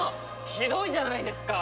ひどいじゃないですか。